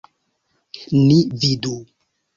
Ni vidu!